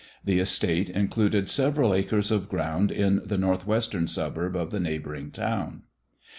The estate included several acres of ground in the northwestern suburb of the neighboring town.